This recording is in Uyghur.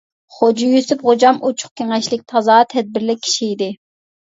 خوجا يۈسۈپ خوجام ئۇچۇق كېڭەشلىك، تازا تەدبىرلىك كىشى ئىدى.